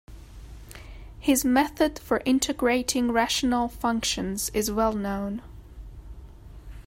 His method for integrating rational functions is well known.